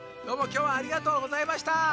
どうもきょうはありがとうございました。